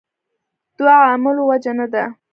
دوو عاملو وجه نه ده.